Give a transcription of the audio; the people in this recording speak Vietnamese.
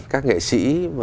các nghệ sĩ